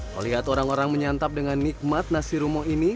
melihat orang orang menyantap dengan nikmat nasi rumo ini